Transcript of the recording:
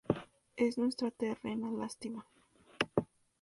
Es nuestra terrena lástima.